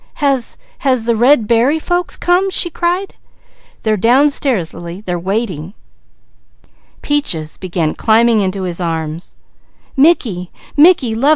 "Has has the red berry folks come?" she cried. "They're downstairs, Lily. They're waiting." Peaches began climbing into his arms. "Mickey, Mickey lovest, hold me tight," she panted.